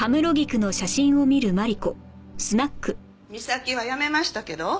みさきは辞めましたけど。